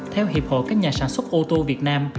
theo hiệp hội các nhà sản xuất ô tô việt nam